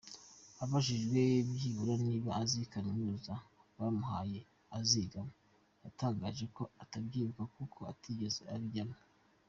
Abajijwe byibura niba azi kaminuza bamuhaye azigamo yatangaje ko atabyibuka kuko atigeze abijyamo.